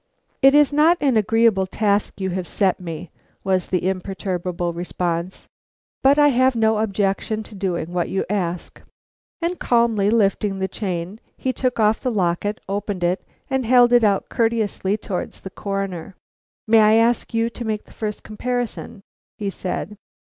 "It is not an agreeable task you have set me," was the imperturbable response; "but I have no objection to doing what you ask." And calmly lifting the chain, he took off the locket, opened it, and held it out courteously toward the Coroner. "May I ask you to make the first comparison," he said.